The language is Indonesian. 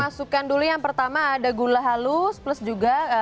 masukkan dulu yang pertama ada gula halus plus juga